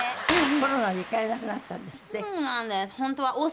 コロナで行かれなくなったんですって？